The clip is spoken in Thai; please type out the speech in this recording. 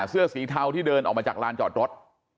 เสื้อสีเทาที่เดินออกมาจากลานจอดรถ